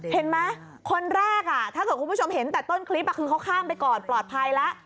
เห็นไหมคนแรกถ้าเกิดคุณผู้ชมเห็นแต่ต้นคลิปคือเขาข้ามไปก่อนปลอดภัยแล้ว